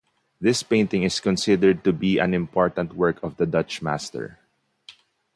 This painting is considered to be an important work of the Dutch master.